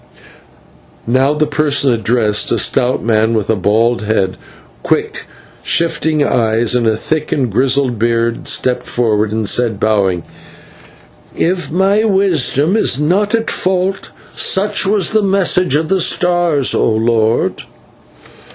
Now the person addressed, a stout man with a bald head, quick, shifting eyes, and a thick and grizzled beard, stepped forward and said, bowing, "If my wisdom is not at fault, such was the message of the stars, O lord."